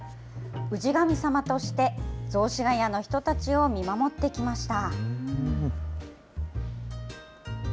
氏神様として、雑司ヶ谷の人たちを見守ってきました。